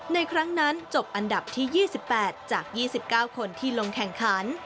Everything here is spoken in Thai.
ในครั้งนั้นจบอันดับที่๒๘จาก๒๙คนที่ลงแข่งขัน